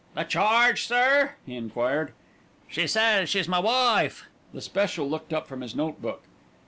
"The charge, sir?" he enquired. "She says she's ma wife." The special looked up from his note book.